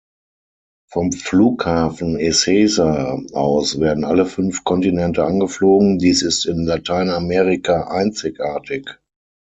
Vom Flughafen Ezeiza aus werden alle fünf Kontinente angeflogen, dies ist in Lateinamerika einzigartig.